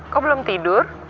kok belum tidur